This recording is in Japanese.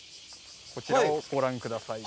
こちらをご覧ください。